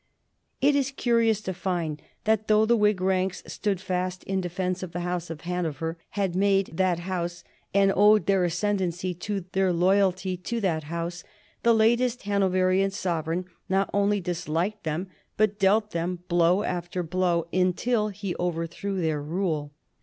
It is curious to find that, though the Whig ranks stood fast in defence of the House of Hanover, had made that House, and owed their ascendency to their loyalty to that House, the latest Hanoverian sovereign not only disliked them, but dealt them blow after blow until he overthrew their rule.